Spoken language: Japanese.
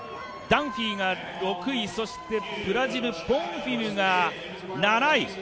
ダンフィーが６位そして、ブラジルボンフィムが７位。